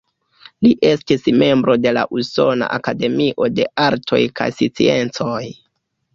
Li estis membro de la Usona Akademio de Artoj kaj Sciencoj.